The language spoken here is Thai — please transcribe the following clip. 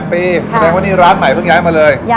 แสดงว่านี่ร้านใหม่เพิ่งย้ายมาเลย